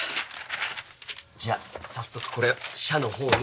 じゃあ早速これを社のほうに。